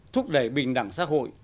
thúc đẩy bình đẳng xã hội